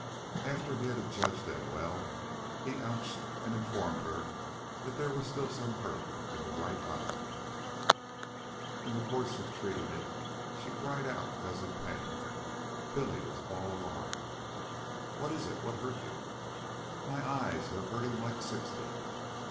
After he had adjudged them well, he ouched and informed her that there was still some hurt in the right eye. In the course of treating it, she cried out as in pain. Billy was all alarm. "What is it? What hurt you?" "My eyes. They're hurting like sixty."